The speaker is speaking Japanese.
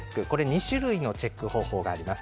２種類のチェック方法があります。